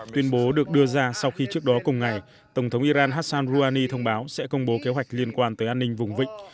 tuyên bố được đưa ra sau khi trước đó cùng ngày tổng thống iran hassan rouhani thông báo sẽ công bố kế hoạch liên quan tới an ninh vùng vịnh